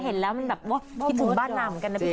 เห็นแล้วมันแบบว้าวพิสูจน์บ้านน่ะเหมือนกันน่ะพี่